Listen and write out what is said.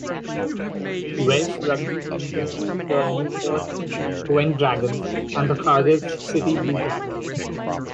Welsh rugby teams include the Newport Gwent Dragons and the Cardiff City Blue Dragons.